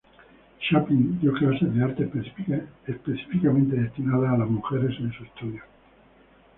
Chaplin dio clases de arte específicamente destinadas a las mujeres en su estudio.